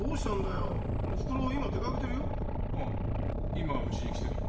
今うちに来てるよ。